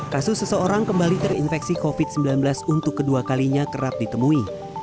kasus seseorang kembali terinfeksi covid sembilan belas untuk kedua kalinya kerap ditemui